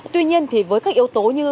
tuy nhiên thì với các yếu tố như